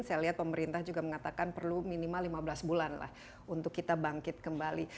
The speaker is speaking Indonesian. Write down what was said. saya lihat pemerintah juga mengatakan perlu minimal lima belas bulan lah untuk kita bangkit kembali